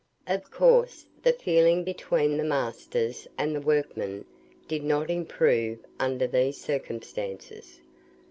Of course the feeling between the masters and workmen did not improve under these circumstances.